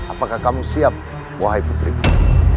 apakah kamu siap wahai putriku